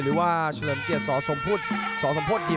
หรือว่าเฉลิมเกียร์สอสมพลสอสมพลยิม